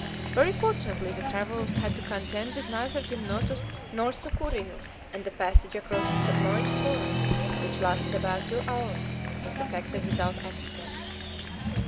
Very fortunately the travelers had to contend with neither gymnotus nor sucuriju, and the passage across the submerged forest, which lasted about two hours, was effected without accident.